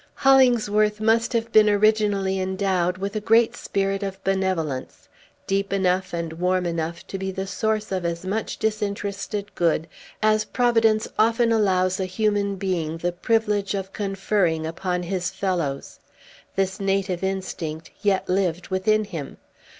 Hollingsworth must have been originally endowed with a great spirit of benevolence, deep enough and warm enough to be the source of as much disinterested good as Providence often allows a human being the privilege of conferring upon his fellows. This native instinct yet lived within him.